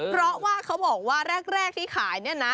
เพราะว่าเขาบอกว่าแรกที่ขายเนี่ยนะ